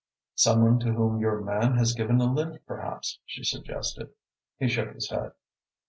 "Some one to whom your man has given a lift, perhaps," she suggested. He shook his head.